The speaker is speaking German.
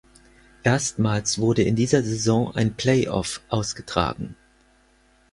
Erstmals wurde in dieser Saison ein Playoff ausgetragen.